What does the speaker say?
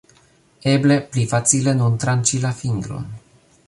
Eble, pli facile nun tranĉi la fingron